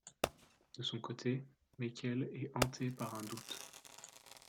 De son côté, Maykel est hanté par un doute.